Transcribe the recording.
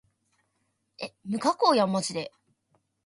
無加工やんまじで